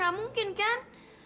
gak mungkin kan